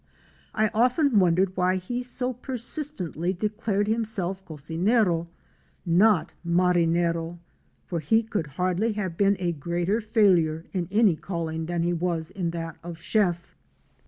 I often won dered why he so persistently declared himself cocinero, not marinero, for he could hardly have been a greater failure in any calling than he was in that of chef.